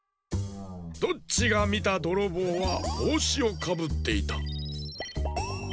ドッチがみたどろぼうはぼうしをかぶっていた。